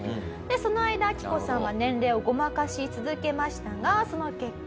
その間アキコさんは年齢をごまかし続けましたがその結果。